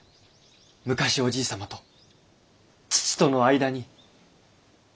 昔おじい様と父との間に。